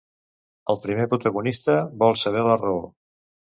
El primer protagonista vol saber la raó?